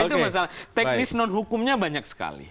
itu masalah teknis non hukumnya banyak sekali